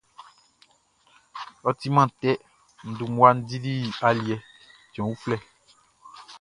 Ɔ timan tɛ, n dun mmua dili aliɛ cɛn uflɛ.